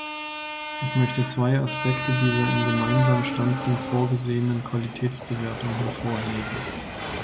Ich möchte zwei Aspekte dieser im Gemeinsamen Standpunkt vorgesehenen Qualitätsbewertung hervorheben.